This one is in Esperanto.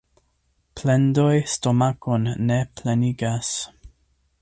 Plendoj stomakon ne plenigas.